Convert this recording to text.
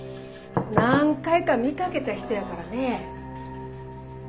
何回か見かけた人やからね。